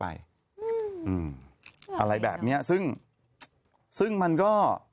อะไรแบบนี้ซึ่งมันก็